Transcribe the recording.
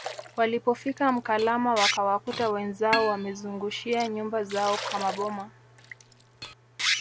Walipofika Mkalama wakawakuta wenzao wamezungushia nyumba zao kwa Maboma